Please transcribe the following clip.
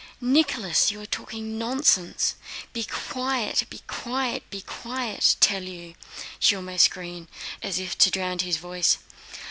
"Nicholas, you are talking nonsense! Be quiet, be quiet, be quiet, I tell you!..." she almost screamed, so as to drown his voice.